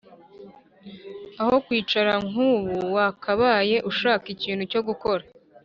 Aho kwicara nk’ubu wakabaye ushaka ikintu cyo gukora